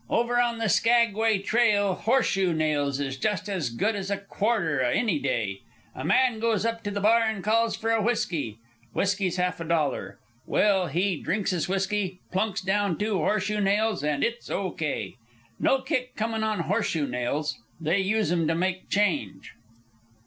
Over on the Skaguay Trail horseshoe nails is just as good as a quarter any day. A man goes up to the bar and calls for a whiskey. Whiskey's half a dollar. Well, he drinks his whiskey, plunks down two horseshoe nails, and it's O.K. No kick comin' on horseshoe nails. They use 'em to make change."